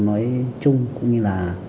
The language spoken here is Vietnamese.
nói chung cũng như là